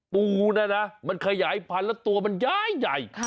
ปูน่ะนะมันขยายพันธุ์แล้วตัวมันย้ายใหญ่